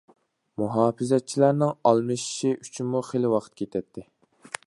مۇھاپىزەتچىلەرنىڭ ئالمىشىشى ئۈچۈنمۇ خېلى ۋاقىت كېتەتتى.